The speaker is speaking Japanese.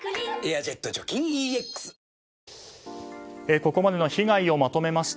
ここまでの被害をまとめました。